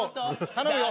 頼むよ。